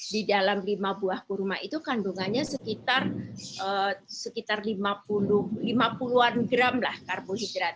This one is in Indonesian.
di dalam lima buah kurma itu kandungannya sekitar lima puluh an gram lah karbohidrat